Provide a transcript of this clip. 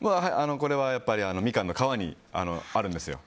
これはやっぱりミカンの皮にあるんですよ。